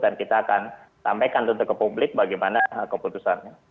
dan kita akan sampaikan tentu ke publik bagaimana keputusannya